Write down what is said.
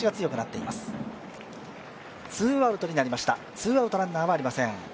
ツーアウト、ランナーはありません。